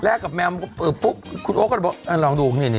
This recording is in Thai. แลกกับแมวปุ๊บคุณโอ๊คก็เราอย่างนี้นี่นี่